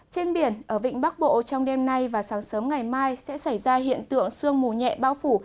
trên biển ở vịnh bắc bộ trong đêm nay và sáng sớm ngày mai sẽ xảy ra hiện tượng sương mù nhẹ bao phủ